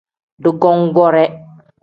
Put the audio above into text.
Dugongoore.